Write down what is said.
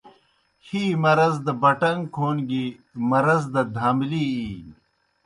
ہِی مرض دہ بٹَݩگ کھون گیْ مرض دہ دھاملی اِینیْ۔